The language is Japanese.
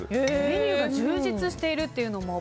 メニューが充実しているというのも。